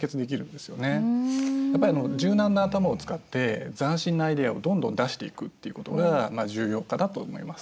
やっぱり柔軟な頭を使って斬新なアイデアをどんどん出していくっていうことがまあ重要かなと思います。